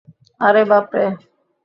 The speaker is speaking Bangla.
আরে, বাপরে!